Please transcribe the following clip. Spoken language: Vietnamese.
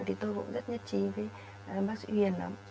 thì tôi cũng rất nhất trí với bác sĩ nguyễn